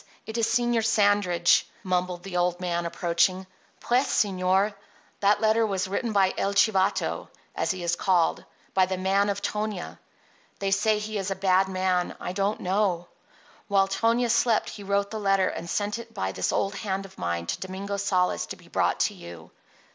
_ it is Señor Sandridge," mumbled the old man, approaching. "Pues, señor, that letter was written by 'El Chivato,' as he is called—by the man of Tonia. They say he is a bad man; I do not know. While Tonia slept he wrote the letter and sent it by this old hand of mine to Domingo Sales to be brought to you.